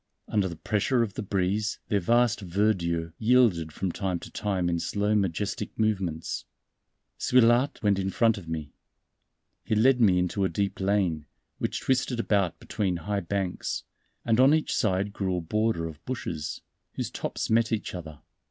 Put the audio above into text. Under the pressure of the breeze their vast verdure yielded from time to time in slow majestic movements. Suilhard went in front of me. He led me into a deep lane, which twisted about between high banks; and on each side grew a border of bushes, whose tops met each other.